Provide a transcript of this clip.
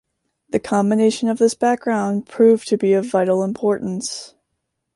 The combination of this background proved to be of vital importance.